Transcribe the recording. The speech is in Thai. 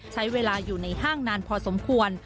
ใช้เวลาอยู่ในห้างนานพอสมควร